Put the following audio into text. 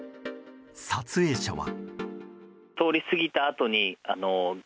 撮影者は。